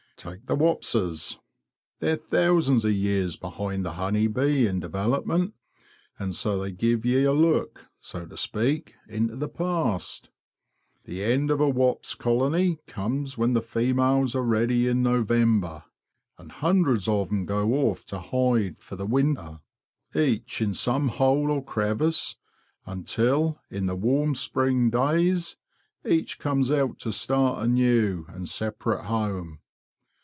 Take the wapses: they're thousands of years behind the honey bee in development, and so they give ye a look, so to speak, into the past. The end of a wapse colony comes when the females are ready in November; and hundreds of them go off to hide for the winter, each AUTOCRAT OF THE BEE GARDEN 195 in some hole or crevice, until, in the warm spring days, each comes out to start a new and separate home.